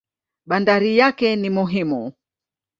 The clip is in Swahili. Bandari yake ni muhimu.